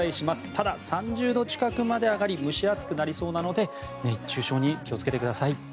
ただ３０度近くまで上がり蒸し暑くなりそうなので熱中症に気をつけてください。